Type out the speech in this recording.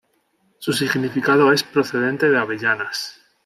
Su significado es "procedente de avellanas".